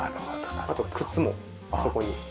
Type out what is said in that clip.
あと靴もそこに。